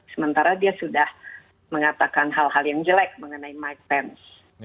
sementara dia sudah mengatakan hal hal yang jelek mengenai mike pence